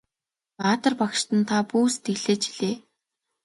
Баатар багштан та бүү сэтгэлээ чилээ!